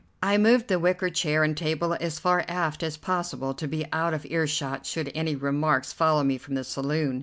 I moved the wicker chair and table as far aft as possible, to be out of earshot should any remarks follow me from the saloon.